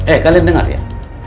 eh kalian dengar ya